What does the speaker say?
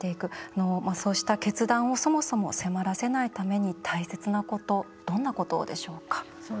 そうした決断をそもそも迫らせないために大切なことどんなことでしょうか？